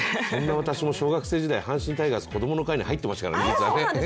私も小学生時代、阪神タイガース子供の会に入ってましたからね。